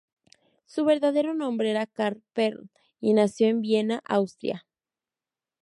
Su verdadero nombre era "Karl Perl", y nació en Viena, Austria.